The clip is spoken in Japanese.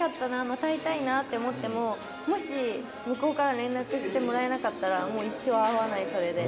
また会いたいな」って思ってももし向こうから連絡してもらえなかったらもう一生会わないそれで。